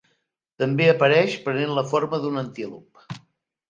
També apareix prenent la forma d'un antílop.